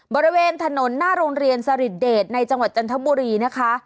บริเวณถนนหน้าโรงเรียนสริดเดชในจังหวัดจันทบุรีนะคะ